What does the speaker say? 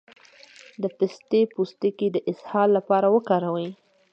د پسته پوستکی د اسهال لپاره وکاروئ